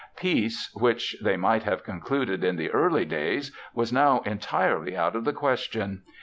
Peace, which they might have concluded in the early days, was now entirely out of the question.